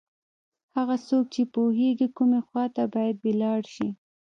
هغه څوک چې پوهېږي کومې خواته باید ولاړ شي.